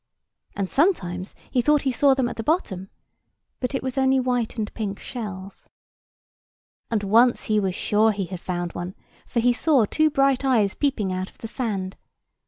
And sometimes he thought he saw them at the bottom: but it was only white and pink shells. And once he was sure he had found one, for he saw two bright eyes peeping out of the sand.